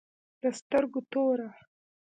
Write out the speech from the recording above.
د سترگو توره